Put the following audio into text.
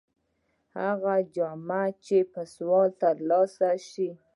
هغه جامه چې په سوال تر لاسه شي.